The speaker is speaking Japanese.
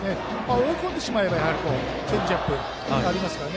追い込んでしまえばチェンジアップありますから。